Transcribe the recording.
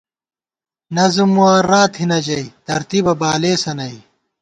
نظم معرّی تھنہ ژَئی ترتیبہ بالېسہ نئ